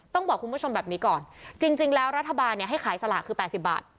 ต้องบอกคุณผู้ชมแบบนี้ก่อนจริงแล้วรัฐบาลเนี่ยให้ขายสลากคือ๘๐บาท